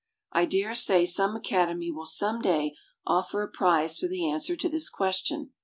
I dare say some Academy will some day offer a prize for the answer to this question.